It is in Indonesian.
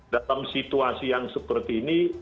dalam situasi yang seperti ini